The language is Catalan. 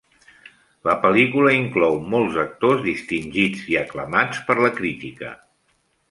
La pel·lícula inclou molts actors distingits i aclamats per la crítica.